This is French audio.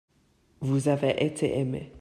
vous avez été aimé.